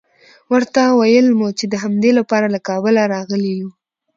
ورته ویل مو چې د همدې لپاره له کابله راغلي یوو.